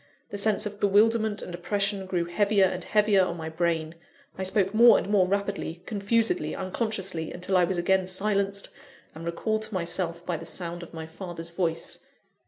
The sense of bewilderment and oppression grew heavier and heavier on my brain; I spoke more and more rapidly, confusedly, unconsciously, until I was again silenced and recalled to myself by the sound of my father's voice.